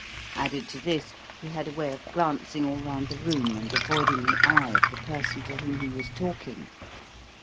Added to this, he had a way of glancing all round the room, and avoiding the eye of the person to whom he was talking.